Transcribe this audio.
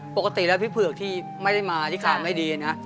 ปกติแล้วพี่เผือกที่ไม่ได้มาที่ขาไม่ดีนะ